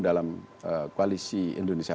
dalam koalisi indonesia